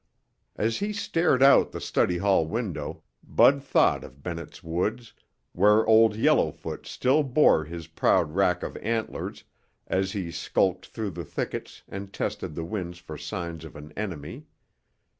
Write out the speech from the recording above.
As he stared out the study hall window, Bud thought of Bennett's Woods, where Old Yellowfoot still bore his proud rack of antlers as he skulked through the thickets and tested the wind for signs of an enemy.